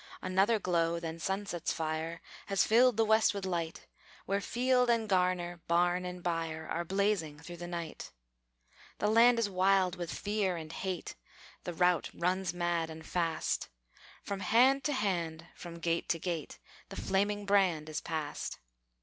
Another glow than sunset's fire Has filled the west with light, Where field and garner, barn and byre, Are blazing through the night. The land is wild with fear and hate, The rout runs mad and fast; From hand to hand, from gate to gate The flaming brand is passed.